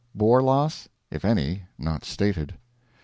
Boer loss if any not stated.